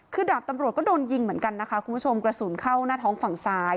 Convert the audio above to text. คือดาบตำรวจก็โดนยิงเหมือนกันนะคะคุณผู้ชมกระสุนเข้าหน้าท้องฝั่งซ้าย